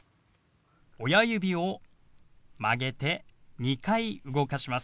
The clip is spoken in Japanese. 親指を曲げて２回動かします。